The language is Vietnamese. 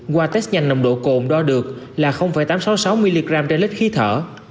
qua test nhanh nồng độ cồn đo được là tám trăm sáu mươi sáu mg trên lít khí thở